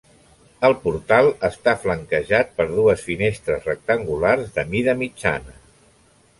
El portal està flanquejat per dues finestres rectangulars de mida mitjana.